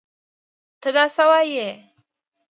تۀ دا څه وايې ؟